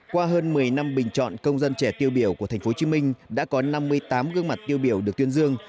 qua hơn một mươi năm bình chọn công dân trẻ tiêu biểu của tp hcm đã có năm mươi tám gương mặt tiêu biểu được tuyên dương